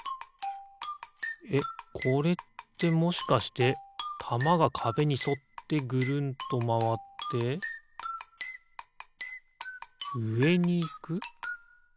えっこれってもしかしてたまがかべにそってぐるんとまわってうえにいく？